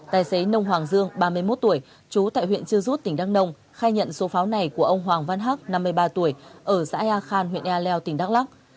tài xế nông hoàng dương ba mươi một tuổi chú tại huyện chư rút tỉnh đăng nông khai nhận số pháo này của ông hoàng văn hát năm mươi ba tuổi ở xã ea khan huyện ea leo tỉnh đắk lắc